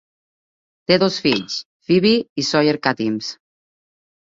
Té dos fills, Phoebe i Sawyer Katims.